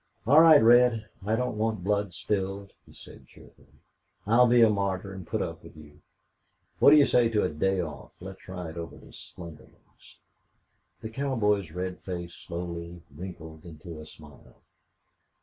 "All right, Red. I don't want blood spilled," he said, cheerfully. "I'll be a martyr and put up with you.... What do you say to a day off? Let's ride over to Slingerland's." The cowboy's red face slowly wrinkled into a smile.